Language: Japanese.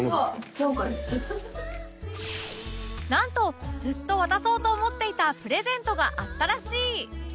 なんとずっと渡そうと思っていたプレゼントがあったらしい